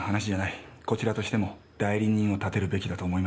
こちらとしても代理人を立てるべきだと思いますよ。